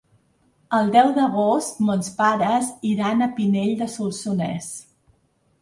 El deu d'agost mons pares iran a Pinell de Solsonès.